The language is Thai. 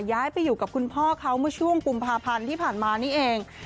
ย้ายไปอยู่กับคุณพ่อเขาเมื่อช่วงกุมภาพันธ์ที่ผ่านมานี่เอง